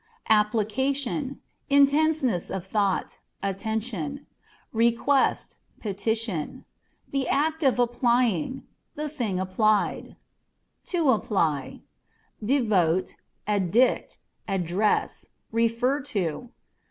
Application â€" intenseness of thought, attention ; request, pe tition ; the act of applying, the thing applied. To Apply â€" devote, addict, address, refer to.